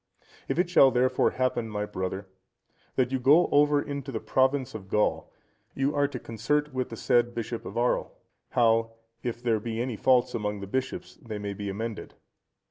If it shall therefore happen, my brother, that you go over into the province of Gaul, you are to concert with the said bishop of Arles, how, if there be any faults among the bishops, they may be amended.